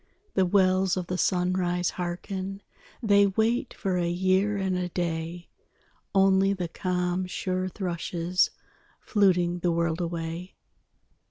_ _The wells of the sunrise harken, They wait for a year and a day: Only the calm sure thrushes Fluting the world away!